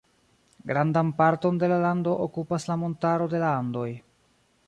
Grandan parton de la lando okupas la montaro de la Andoj.